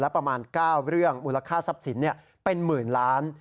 ประมาณ๙เรื่องมูลค่าทรัพย์สินเป็นหมื่นล้าน